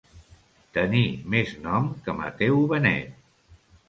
Tenir més nom que Mateu Benet.